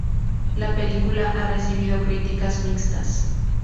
La película ha recibido críticas mixtas.